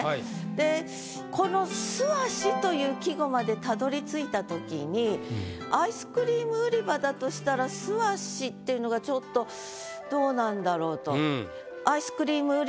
でこの「素足」という季語までたどりついた時にアイスクリーム売り場だとしたら「素足」っていうのがちょっとどうなんだろうと。